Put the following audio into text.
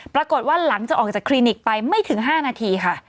ปรากฏว่าหลังจากออกจากคลินิกไปไม่ถึง๕นาทีค่ะ